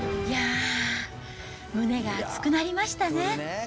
いやー、胸が熱くなりましたね。